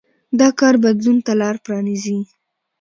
دا کار بدلون ته لار پرانېزي.